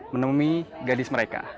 menemui gadis mereka